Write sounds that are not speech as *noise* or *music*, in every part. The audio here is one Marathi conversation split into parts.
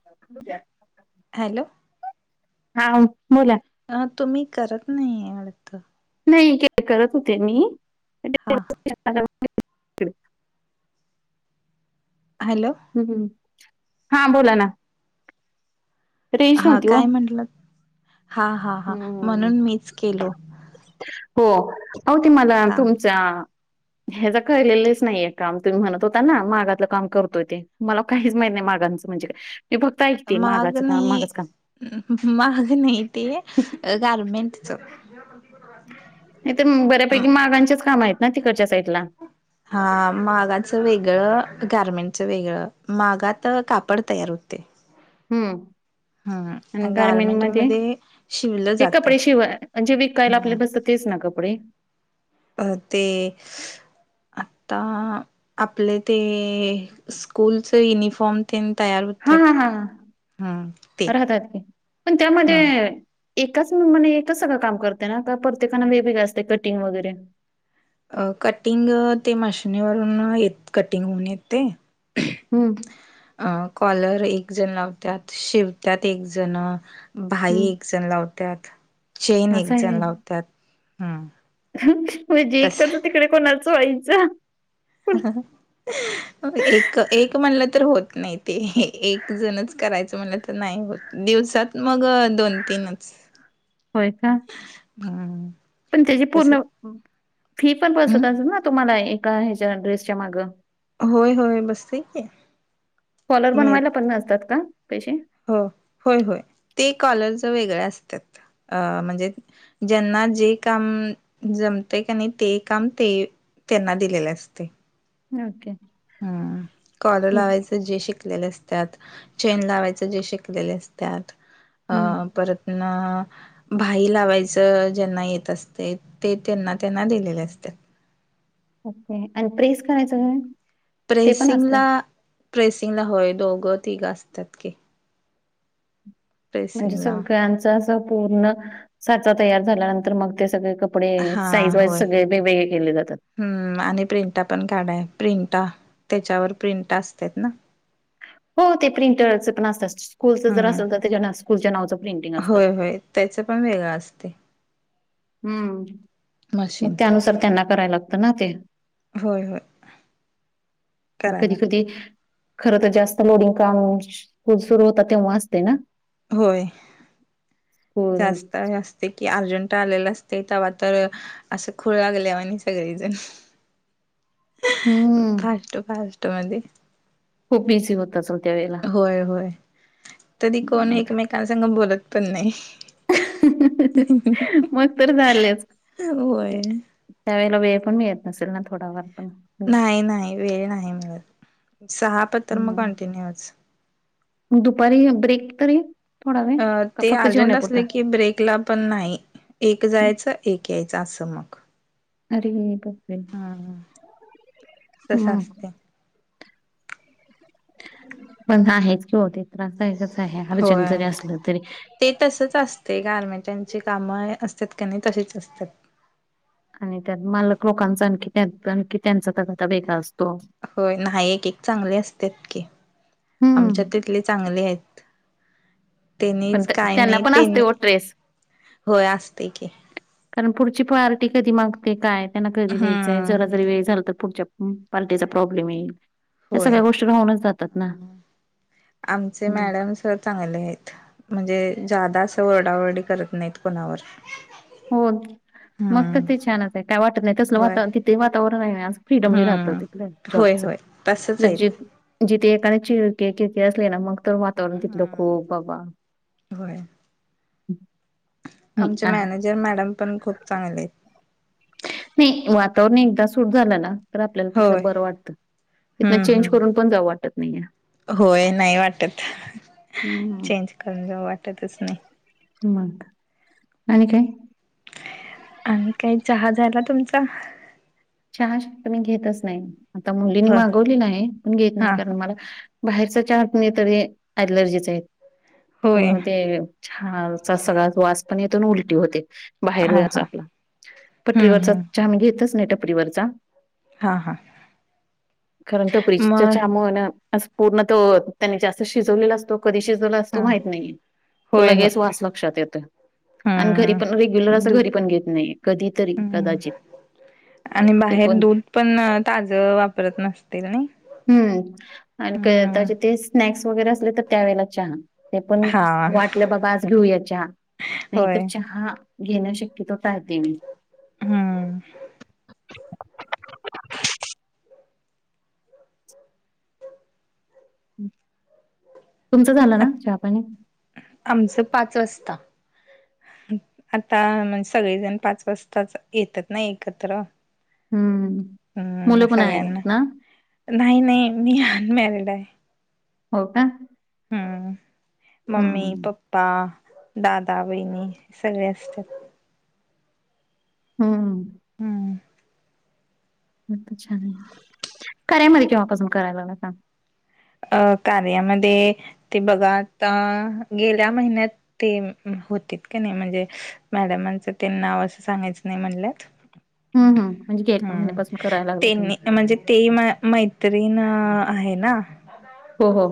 *unintelligible* हॅलो. हा बोला. हा तुम्ही करत नाही आहे वाटतं नाही करत होते मी. हा हॅलो. हम्म हा बोला ना. रेंज हा नव्हती हो काय? म्हटलं हा, हा, हा. हम्म. म्हणून मीच केलो. हो होती मला हा तुमचा. ह्याच कळलेलेच नाहीे काम तुम्ही म्हणत होता ना मागातलं काम कर. मला काहीच माहीत नाही मागांचं म्हणजे मी फक्त ऐक का महाग मागाचं काम. नाही मागाचं काम. महाग नाही ते गारमेंटच. हर पती तराशी आहे. *unintelligible* नाही तर बऱ्यापैकी मागांचेच काम आहेत ना तिकडच्या साईडला. हा मागाचं वेगळं गारमेंटचं वेगळं मागात कापड तयार होते. हम्म आणि हम्म गारमेंट मध्ये शिवलं ते जात कपडे शिवा म्हणजे विकायला आपले हम्म बसत तेच ना कपडे. अ ते आता आपले ते स्कूलच युनिफॉर्म तेन तयार हा होतात हा हम्म ते राहतात. की पण त्यामध्ये हम्म एकाच नेमाने एकाच सगळं काम करते ना का प्रत्येकाना वेगवेगळं असते कटिंग वगैरे. अ कटिंग ते मशीिनीवरून येत कटिंग होऊन येत ते. हम्म. अ कॉलर एक जण लावत्यात शिवत्यात. एक जण हं. भाई चण लावत्यात. चेन एक असं आहे जण व्हय. लावत्यात. हम् म्हणजे इकडचं तिकडे कोणाचं व्हायचं. एक- एक म्हणलं तर होत नाही. ते एक जणच करायचं म्हणलं तर नाही होत. दिवसात मग दोन, तीनच. होय का? हम्. पण त्याची पूर्ण फी पण बसत हम् असेल ना तुम्हाला एका ह्याच्या ड्रेसच्या माग. होय होय बसतय की कॉलर मिळत बनवायला पण असतात का? पैसे. हो होय. होय. ते कॉलरज वेगळं असत्यात असतात अ म्हणजे- ज्यांना जे काम जमते का? नाही ते काम ते त्यांना दिलेले असते. ओके. हम्म कॉलर लावायंच. जे शिकलेले असत्यात. चेन लावायच जे शिकलेले असत्यात. हं. परत ना. भाई लावायचं ज्यांना येत असते. ते त्यांना त्यांना दिलेले असत्यात. ओके आणि प्रेस करायचं ग. प्रेसिंगला प्रेसिंगला होय दोघं तिघं असत्यात की. म्हणजे प्रेसिंगला सगळ्यांच असं पूर्ण साचा तयार झाल्यानंतर मग ते सगळे कप हा डेसाईज वाईज होय सगळे वेगवेगळे केले जातात. हम्म आणि प्रिंटा पण काढाय प्रिंटा. त्याच्यावर प्रिंटा असत्यात ना. हो ते प्रिंटरच पण असतात. स्कूलचं जर हम्म असेल तर त्या स्कूलच्या नावचं प्रिंटिंग असतं. त्याच पण वेगळं असतंय. हम्म मग मशीन त्यानुसार त्यांना करायला लागतं ना ते. होय होय करायला कधी कधी. लागतं खर तर जास्त लोडिंग काम *inaudible* सुरू होतात तेव्हा असते ना? होय स्कूल जास्त आहे तंय की अर्जंट आलेल असतंय तव्हा तर, असं खुळ लागल्यावाणी सगळीजण. हम्म फास्ट फास्ट मध्ये. खूप बिझी होत असलं त्या वेळेला? होय होय तरी कोण का एकमेकांन संघ बोलत पण नाही. मग तर झालंच. होय त्या वेळेला वेळ पण मिळत नसेल ना थोडा फार पण? नाही नाही वेळ नाही मिळत सहा पतर म हम्म. कंटिन्यूचं. दुपारी ब्रेक तरी? थोडा वेळ अ का ते फक्त अर्जंट जेवण्यापुरता? असले की ब्रेकला पण नाही. एक जायचं एक यायचं असं मग. अरे बापरे! तसं हं. असतंय. पण आहेच किं ओ ते त्रास जायकच आहे अर्जंट होय. जरी असलं तरी. ते तसच असतंय गारमेंटची कामं असतात क नाही तशीच असतात. आणि त्यात मालक लोकांचा आणखी त्यात आणखी त्यांचा तकाता वेगळा असतो. होय नाही एक एक चांगली असत्यात कि हं. आमच्यात तिथली चांगली आहेत पण त्यांनीच त्या- काय त्यांना नाही पण असते त्यांनी ओ ट्रेस. होय असतंय की. कारण पुढची पार्टी कधी मागते काय त्यांना कधी द्यायचंय हम्म जरा जरी वेळ झाला तर पुढच्या पार्टीचा प्रॉब्लेम येईल या होय. सगळ्या गोष्टी राहूनच जातात ना. आमचे हम्म. मॅडम सर चांगले आहेत. म्हणजे ज्यादा असं वरडाओरडी करत नाहीत कुणावर. हो मग तर ते छानच आहे काय वाटत नाही तसलं होय वाता तिथे वातावरण आहे ना आज, फ्रीडम लई राहत हम्म तिकडं होय जॉबच होय तसच म्ह आहेत. जिथे एकाने चिरके किरकीर असली ना मग तर वातावरण तिथलं खूप बाबा होय ह् अ. त्या मॅडम पण खूप चांगल्या आहित. नाही वातावरण एकदा सूट झालं ना तर आपल्याला तिथलं होय बरं वाटतं. तिथन हम्म चेंज करून हम्म पण जाऊ वाटत नाही आहे. होय नाही वाटत चेंज करून जाऊ वाटतचं नाही. मग आणि काय? आणि काही. चहा झाला तुमचा? चहा शकतो मी घेतच नाही आता मुलींनी होय मागवलेला आहे पण घेत नाही हा कारण हा मला, बाहेरचा चहा पिलं तरी अलर्जीचत आहे होय पूर्ण ते, चहाचा सगळाचं वास पण येतो उलटी होते हा बाहेर चां हा आपला. हम्म पटरीवरचा हम्म चहा मी घेतच नाही टपरीवरचा. हा हा कारण टपरीच्या त्या मग चहा मुळ नां अस पूर्ण तो त्यांनी जास्त शिजवलेला असतो कधी शीजवला असतो हा माहित नाहीये, तो होय होय लगेच वास लक्षात येतो. आणि घरी पण रेग्युलर हम्म असं, दू घरी पण घेत नाही कधी तरी हम्म कदाचित. आणि ते बाहेर पण दूध पण ताज वापरत नसतील नाई हम्म आणि काय त्याचे ते, स्नॅक्स वगैरे असले तर त्यावेेळेला चहा. ते पण हा वाटलं बाबा, आज घेऊया चहा, नाही तर होय चहा घेणं शक्यतो टाळते मी. हम्म. तुमचं झालं ना, चहा, पाणी? आमचं पाच वाजता. आता म्हणजे सगळेजण पाच वाजताच येतात ना एकत्र. हम्म हम्म मुलं पण आहेत सगळ्यांना ना? नाही नाही मी अनमॅरेड आहे. हो का? हम्म मम्मी, हं. पप्पा, दादा, वहिणी, सगळे असतात. हम्. हम्म छान! कार्या मध्ये केव्हापासून करायला लागला काम? अ कार्यामध्ये? ती बघा आता, गेल्या महिन्यात तीन होत्यात की नाय म्हणजे. मेडमाच तेन, नाव अस सांगायचं नाही म्हटलं. हम्म हम्म. हम्म ते मी म्हणजे ते म मैत्रीण आहे ना. हो हो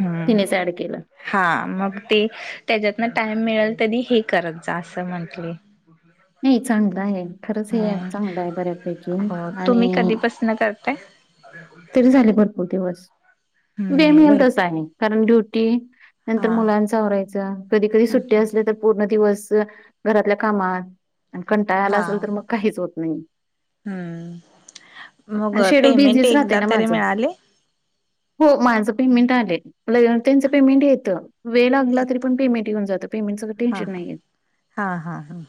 हम्म तिनेच ऍड केलं. हा मग ते त्याच्यातून, टाईम मिळेल त्यांनी हे करत जा अस म्हटली. नाही चांगलं आहे, खरंच हे ॲप हम्म चांगलं आहे बऱ्यापैकी आणि ना करत्यात. तरी झाले भरपूर दिवस, वेळ हम्म मिळेल भर तसं आहे कारण ड्युटी. नंतर हा मुलांचं आवरायचं, कधी कधी हा सुट्टी हा असली तर पूर्ण दिवस घरातल्या कामात. कंटाळा आला हा असेल तर, मग काहीच होत नहीं माग. हम्म मग आणि शेड्यूल पेमेंट बिझीच राहतंय एकदा ना तरी माझं मिळाले? हो माझं पेमेंट आलंय, लय त्यांचं पेमेंट येतं वेळ लागला तरी पण पेमेंट येऊन जातं, पेमेंटचं काय हा टेन्शन हा नाहीये हा हा ह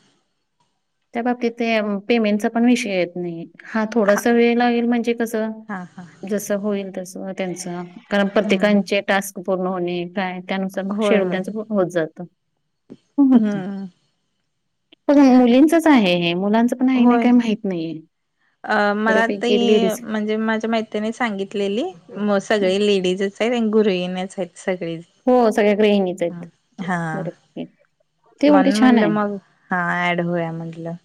त्याबाबतीत ते पेमेंटचा पण विषय येतं नाही. तरी हा थोडासा वेळ लागेल म्हणजे कसं हा हा जसं होईल तसं त्यांचं कारण, हम्म प्रत्येकांचे टास्क पूर्ण होणे काय त्यानुसार मग होय होय शेवटाच बुक होत जातं, हुम. हम्म पण मुलींचं आहे हे, मुलांचं नाही ना होय. काही माहित नाहीये, अ मला बऱ्यापैकी लेडीज ते म्हणजे माझ्या मैत्रिणी सांगितलेली मग, सगळ्या लेडीजचे आणि गृहिणीच आहेत सगळी. हो सगळ्या गृहिणीचे बर ठीक ते उलट म्हणून छान म्हणलं आहे. मग हा ऍड होऊया म्हटलं.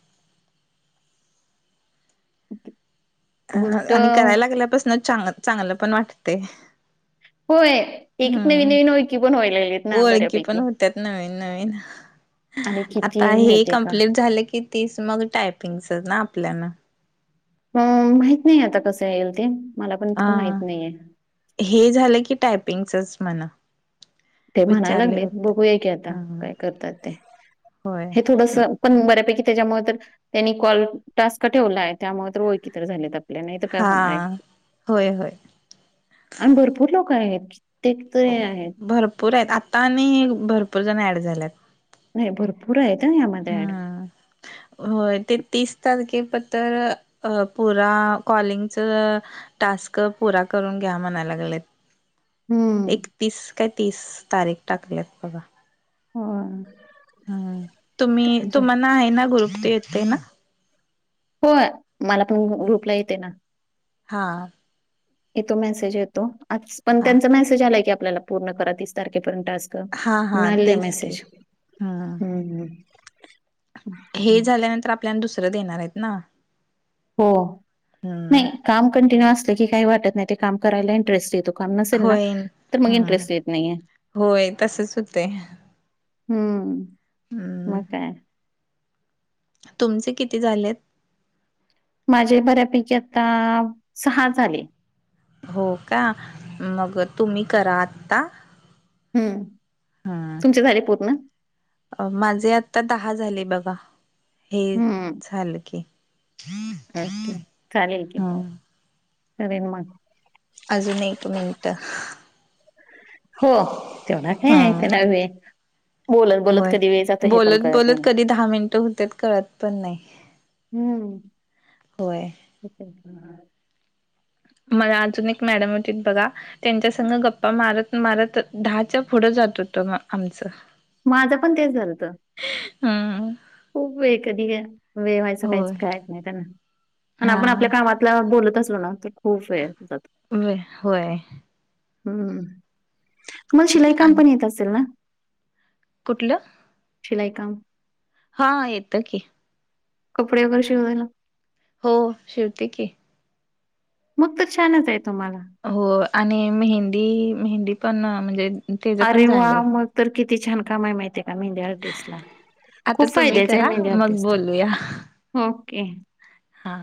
*inaudible* हा आणि कराय लागल्यापासून चांगलं चांगलं पण वाटतंय, होय एक नवनवीन ओळखी पण व्हायला लागलेत. ना ओळखी पण बऱ्यापैकी होतात नवीन नवीन आणि आता किती हे माहितीये का कम्प्लीट झालं की तीस मग टायपिंगच ना आपल्याला हू माहित नाही आता कसं येईल ते मला पण अ तर माहित नाहीये हे झालं की टायपिंगचच म्हण ते म्हणाय लागलेत बघूया की आता ह काय करतात ते होय हे तू कस पण बऱ्यापैकी त्याच्यामुळ तर त्यांनी कॉल टास्क ठेवलाय त्यामुळे तर ओळखी तर झाल्यात आपल्या नाहीतर काय होणारे हा. होय होय आणि भरपूर लोके आहेत कित्येक तरी आहेत भरपूर आहेत आता आणि भरपूर जण ॲड झाल्यात नाई भरपूर आहेत हा ह्यामध्ये ॲड हा होय ते तीस तारखे पतर अ पुरा कॉलिंगच टास्क पुरा करून घ्या म्हणालागलेत हम्म. एकतीस काय तीस तारीख टाकल्यात बघा होय हा तुम्ही तुम्हाला आहे ना ग्रुप ते येतंय ना होय मला पण ग्रुपला येतय ना हा की तो मेसेज येतो आज पण हा. त्यांचा मेसेज आलाय की आपल्याला पूर्ण करा तीस तारखेपर्यंत टास्क हा म्हणून हा आलेला तेच की मेसेज हम्म. हु हु हे झाल्यानंतर आपल्याला दुसरं देणारं आहेत ना हो नाही हम्म काम कंटिन्यू असलं की काय वाटत नाही ते काम करायला इंटरेस्ट येतो काम नसेल ना होय. तर मग हम्म इंटरेस्ट येत नाहीये होय तसच होतय हू हम्म मग काय तुमचे किती झालेत माझे बऱ्यापैकी आता सहा झाले हो का मग तुम्ही करा आत्ता हू तुमचे झाले पूर्ण अ माझे आता दहा झाले बघा हे हं. झालं की *inaudible* ओके चालेल की हा. करेल मग अजून एक मिनट तेवढा काय हा हाय त्याला वेळ बोलत, बोलत होय कधी वेळ जातो हे पण बोलत कळत बोलत नाही. कधी दहा मिनटं हुत्यात कळत पण नाही हू होय *unintelligible* मला अजून एक मॅडम होतीत बघा त्यांच्या संग गप्पा मारत मारत दहाच्या पुढं जात होतं आमचं माझं पण तेच झालंत हा खूप वेळ कधी वेळ व्हायचं काहीच होय कायच नाही त्यांन आणि हा आपण आपल्या कामात आपला बोलत असलो ना तर खूप वेळ जातो व होय हू तुम्हाला शिलाई काम आणि पण येत असेल ना कुठलं शिलाई काम हा येतं की. कपडे वगैरे शिवायला. हो शिवते की. मग तर छानच आहे तुम्हाला. होय आणि मेहंदी, मेहंदी पण अ म्हणजे त्याच अरे पण वा! झाले मग तर किती छान काम आहे माहितेय का, मेहंदी आर्टिस्ट ला. आता खूप तुम्ही फायद्याच आहे करा मेहंदी मग आर्टिस्ट, बोलूया हो की. हा.